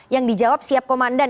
yang dijawab siap komandan